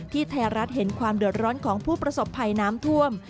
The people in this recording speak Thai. ไทยรัฐเห็นความเดือดร้อนของผู้ประสบภัยน้ำท่วม